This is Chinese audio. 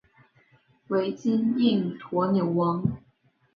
为金印驼纽王。